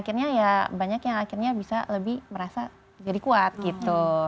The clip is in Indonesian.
akhirnya ya banyak yang akhirnya bisa lebih merasa jadi kuat gitu